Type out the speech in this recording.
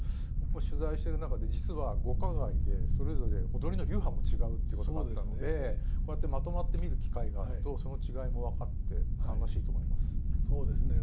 取材してる中で実は五花街でそれぞれ踊りの流派も違うっていうこと分かったのでこうやってまとまって見る機会があるとその違いも分かって楽しいと思います。